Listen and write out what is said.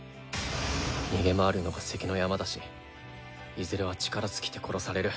逃げ回るのが関の山だしいずれは力尽きて殺される。